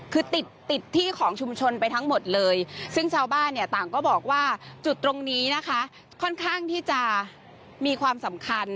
คือติดติดที่ของชุมชนไปทั้งหมดเลยซึ่งชาวบ้านเนี่ยต่างก็บอกว่าจุดตรงนี้นะคะค่อนข้างที่จะมีความสำคัญ